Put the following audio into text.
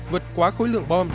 vượt quá khối lượng bom